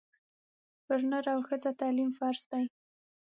پر نر او ښځه تعلیم فرض دی